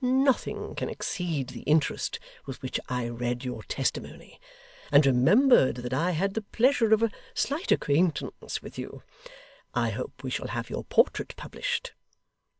Nothing can exceed the interest with which I read your testimony, and remembered that I had the pleasure of a slight acquaintance with you. I hope we shall have your portrait published?